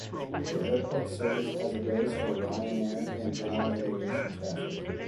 The airport serves as a base for Ryanair and general aviation traffic.